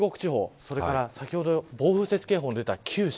それから先ほど暴風雪警報が出た九州